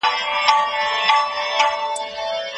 هوا نظرونه شریک کړي دي.